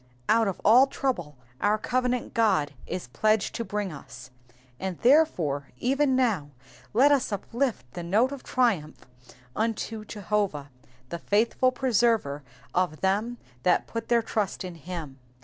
Out of all trouble our covenant God is pledged to bring us, and therefore even now let us uplift the note of triumph unto Jehovah, the faithful preserver of them that put their trust in him.